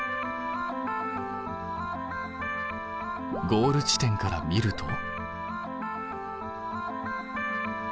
ゴール地点から見ると。